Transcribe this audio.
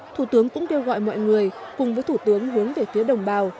thủ tướng cũng kêu gọi mọi người cùng với thủ tướng hướng về phía đồng bào